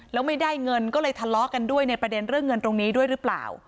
แล้วไม่ได้เงินก็เลยทะเลาะกันด้วยในประเด็นเรื่องเงินตรงนี้ด้วยหรือเปล่า